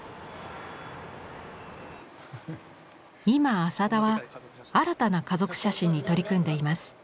今浅田は新たな「家族写真」に取り組んでいます。